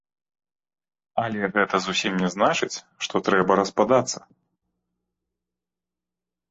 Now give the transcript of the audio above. Але гэта зусім не значыць, што трэба распадацца.